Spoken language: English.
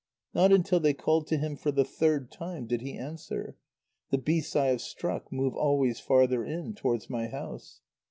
Not until they called to him for the third time did he answer: "The beasts I have struck move always farther in, towards my house."